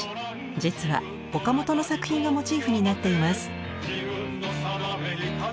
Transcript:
実は岡本の作品がモチーフになっています。